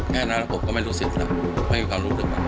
แค่นั้นผมก็ไม่รู้สิทธิ์แล้วไม่มีความรู้ด้วย